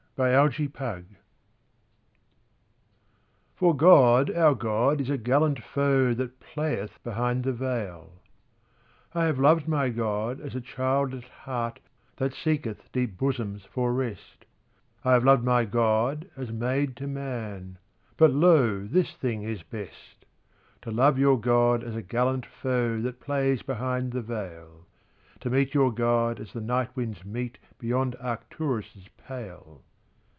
Ballad for Gloom For God, our God, is a gallant foe That playeth behind the veil. I have loved my God as a child at heart That seeketh deep bosoms for rest, I have loved my God as maid to man But lo, this thing is best: To love your God as a gallant foe that plays behind the veil, To meet your God as the night winds meet beyond Arcturus' pale.